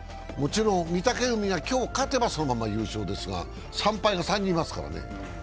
もちろん御嶽海が今日勝てば、そのまま優勝ですが３敗が３人いますからね。